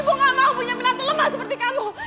ibu gak mau punya menantu lemah seperti kamu